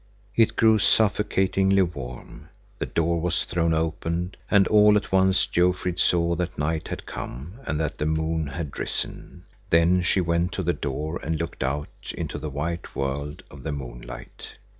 It grew suffocatingly warm. The door was thrown open, and all at once Jofrid saw that night had come and that the moon had risen. Then she went to the door and looked out into the white world of the moonlight.